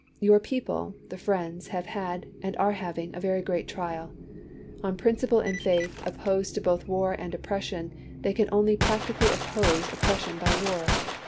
Your people, the Friends, have had, and are having, a very great trial. On prin ciple and faith, opposed to both war and oppression, they can only practically oppose oppression by war.